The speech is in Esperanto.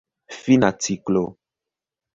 Fina ciklo.